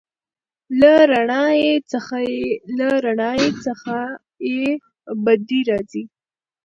له رڼایي څخه یې بدې راځي.